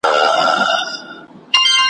په هر شعر کي یې د افغان اولس ناخوالو ته `